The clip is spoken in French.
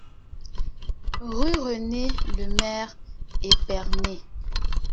Rue Rene Lemaire, Épernay